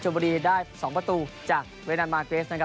ชมบุรีได้สองประตูจากเวรานอะมาเกซนะครับ